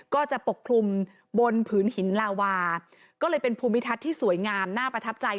ปกคลุมบนผืนหินลาวาก็เลยเป็นภูมิทัศน์ที่สวยงามน่าประทับใจ